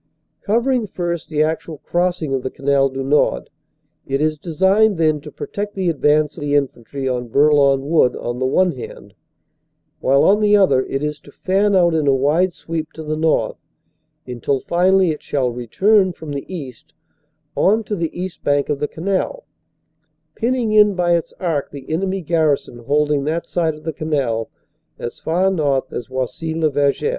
Cov ering first the actual crossing of the Canal du Nord, it is designed then to protect the advance of the infantry on Bourlon Wood on the one hand, while on the other it is to fan out in a wide sweep to the north until finally it shall return from the east on to the east bank of the canal, pinning in by its arc the enemy garrison holding that side of the canal as far north as Oisy le Verger.